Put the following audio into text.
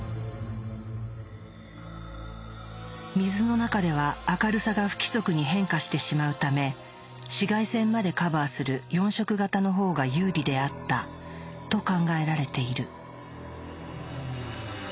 水の中では明るさが不規則に変化してしまうため紫外線までカバーする４色型の方が有利であったと考えられている。